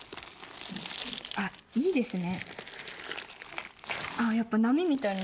あっいいですね。